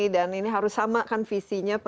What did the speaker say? dan ini harus sama kan visinya